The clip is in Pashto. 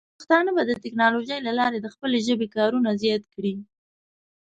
پښتانه به د ټیکنالوجۍ له لارې د خپلې ژبې کارونه زیات کړي.